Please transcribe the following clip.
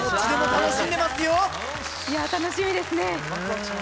楽しみですね。